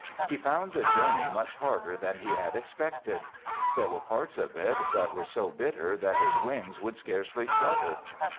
He found the journey much harder than he had expected. There were parts of it that were so bitter that his wings would scarcely flutter.